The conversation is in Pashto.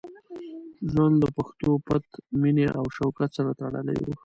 ژوند له پښتو، پت، مینې او شوکت سره تړلی وو.